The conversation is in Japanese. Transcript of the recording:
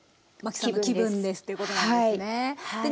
気分ですということなんですね。